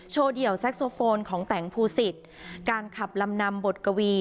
เดี่ยวแซ็กโซโฟนของแต่งภูสิตการขับลำนำบทกวี